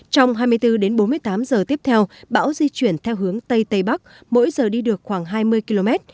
trong hai mươi bốn bốn mươi tám giờ tiếp theo bão di chuyển theo hướng tầy tầy bắc mỗi giờ đi được khoảng hai mươi km